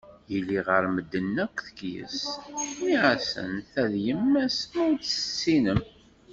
Yelli ɣer medden akk tekyes, nniɣ-asen ta d yemma-s ma ur tt-tessinem.